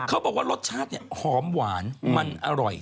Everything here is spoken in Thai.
เขาบอกว่ารสชาติเนี่ยหอมหวานมันอร่อย